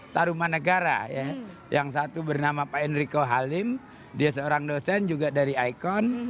taruman negara ya yang satu bernama pak enrico halim dia seorang dosen juga dari ikon